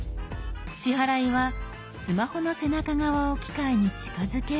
支払いはスマホの背中側を機械に近づけるだけ。